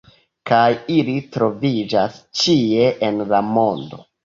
Kaj ili troviĝas ĉie en la mondo.